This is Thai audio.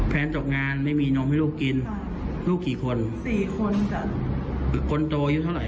ตกงานไม่มีนมให้ลูกกินลูกกี่คนสี่คนจ้ะคนโตอายุเท่าไห